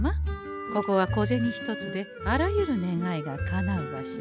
ここは小銭一つであらゆる願いがかなう場所。